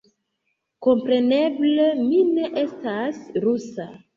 Kompreneble, mi ne estas rusa